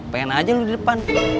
pengen aja lu di depan